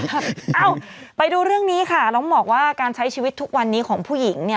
เอ้าไปดูเรื่องนี้ค่ะต้องบอกว่าการใช้ชีวิตทุกวันนี้ของผู้หญิงเนี่ย